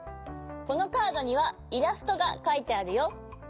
このカードにはイラストがかいてあるよ。